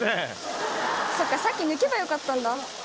そっかさっき抜けばよかったんだ。